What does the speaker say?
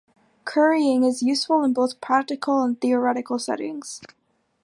Currying is useful in both practical and theoretical settings.